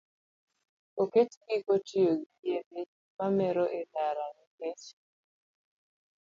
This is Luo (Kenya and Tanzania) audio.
Oket giko tiyo gi yedhe mamero e ndara nikech